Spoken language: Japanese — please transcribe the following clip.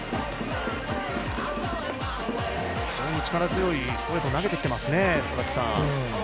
非常に力強いストレートを投げてきてますよね。